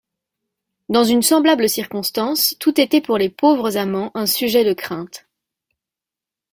Dans une semblable circonstance tout était pour les pauvres amants un sujet de crainte.